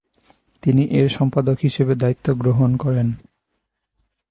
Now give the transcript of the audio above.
তিনি এর সম্পাদক হিসাবে দায়িত্ব গ্রহণ করেন।